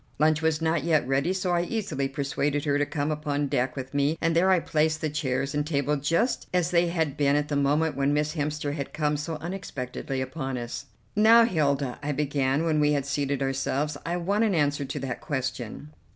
Lunch was not yet ready, so I easily persuaded her to come upon deck with me, and there I placed the chairs and table just as they had been at the moment when Miss Hemster had come so unexpectedly upon us. "Now, Hilda," I began when we had seated ourselves, "I want an answer to that question."